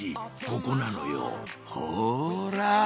ここなのよほら！